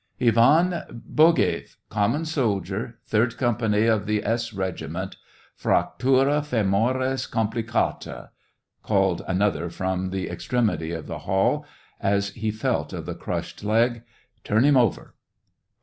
"Ivan Bogaeff, common soldier, third company of the S regiment, fractura femoris compli caiaT' called another from the extremity of the hall, as he felt of the crushed leg. ..." Turn him over."